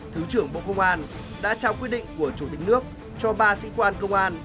thứ trưởng bộ công an đã trao quyết định của chủ tịch nước cho ba sĩ quan công an